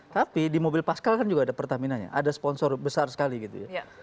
tapi di mobil pascal kan juga ada pertamina nya ada sponsor besar sekali gitu ya